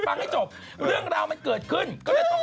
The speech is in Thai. ไปจนในไอจีของนาง